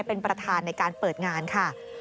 เป็นประธานในการเปิดงานค่ะ